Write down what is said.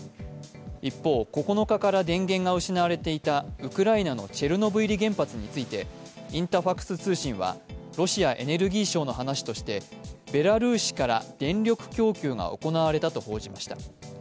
一方、９日から電源が失われていたウクライナのチェルノブイリ原発についてインタファクス通信は、ロシアエネルギー省の話としてベラルーシから電力供給が行われたと報じました。